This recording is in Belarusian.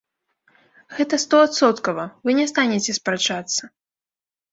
Гэта стоадсоткава, вы не станеце спрачацца.